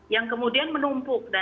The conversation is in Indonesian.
yang kemudian menumpuk